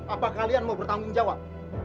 apa kalian mau bertanggung jawab